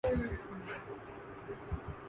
ہم Geneva conventions کو مانتے ہیں۔